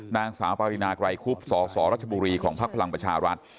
นางสาวปรินาไกรคุบสสรัชบุรีของพักพลังประชารัฐ